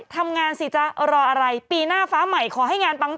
ทำงานสิจะรออะไรปีหน้าฟ้าใหม่ขอให้งานปัง